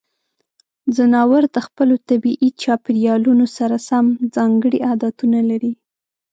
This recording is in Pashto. ځناور د خپلو طبیعي چاپیریالونو سره سم ځانګړې عادتونه لري.